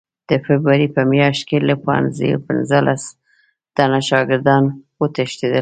د فبروري په میاشت کې له پوهنځیو پنځلس تنه شاګردان وتښتېدل.